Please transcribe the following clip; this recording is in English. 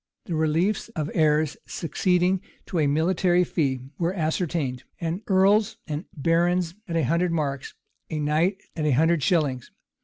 The reliefs of heirs succeeding to a military fee were ascertained; an earl's and baron's at a hundred marks, a knight's at a hundred shillings.